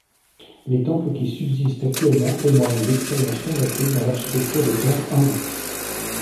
Les temples qui subsistent actuellement témoignent d'expériences fondatrices dans l'architecture des temples hindous.